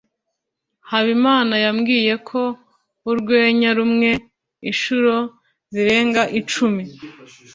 habimana yambwiye ko urwenya rumwe inshuro zirenga icumi